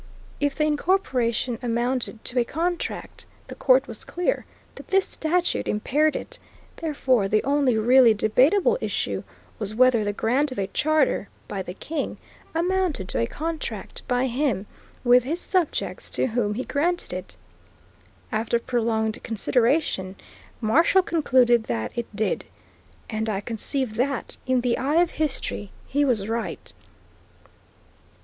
If the incorporation amounted to a contract, the Court was clear that this statute impaired it; therefore the only really debatable issue was whether the grant of a charter by the king amounted to a contract by him, with his subjects to whom he granted it. After prolonged consideration Marshall concluded that it did, and I conceive that, in the eye of history, he was right.